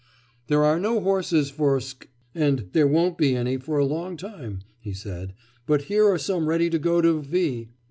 'There are no horses for Sk , and there won't be any for a long time,' he said, 'but here are some ready to go to V